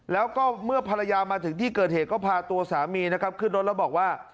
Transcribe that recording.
แล้วก็เมื่อภรรยามาถึงที่เกิดเหตุก็พาตัวสามีนะครับขึ้นรถแล้วบอกว่า